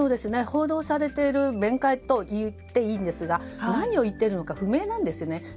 報道されている弁解と言っていいんですが何を言っているのか不明なんですよね。